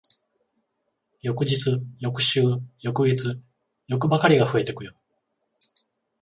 翌日、翌週、翌月、欲ばかりが増えてくよ。